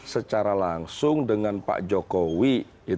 secara langsung dengan pak jokowi